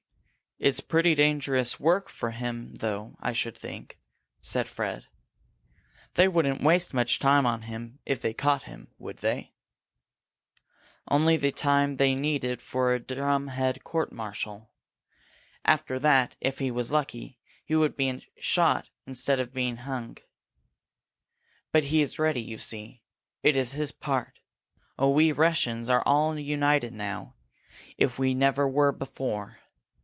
"It's pretty dangerous work for him, though, I should think," said Fred. "They wouldn't waste much time on him if they caught him, would they?" "Only the time they needed for a drumhead court martial. After that, if he was lucky, he would be shot instead of being hung. But he is ready, you see. It is his part. Oh, we Russians are all united now, if we never were before!